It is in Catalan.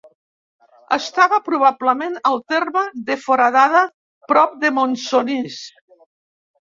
Estava, probablement, al terme de Foradada, prop de Montsonís.